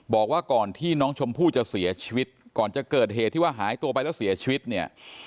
บอกว่าก่อนที่น้องชมพู่จะเสียชีวิตก่อนจะเกิดเหตุที่ว่าหายตัวไปแล้วเสียชีวิตเนี่ย